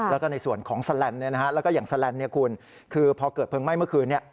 และก็ในส่วนของแบบแสลนและอย่างแบบแสลนคุณคือพอเกิดเพลิงไหม้เมื่อคืน